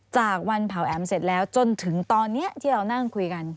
จากวันเผาแอ๋มเสร็จแล้วจนถึงตอนนี้ที่เรานั่งคุยกัน